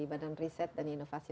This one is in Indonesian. badan riset dan inovasi